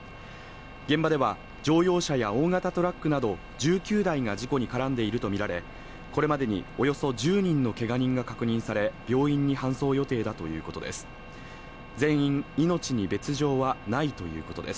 現場では乗用車や大型トラックなど１９台が事故に絡んでいると見られこれまでにおよそ１０人のけが人が確認され病院に搬送予定だということです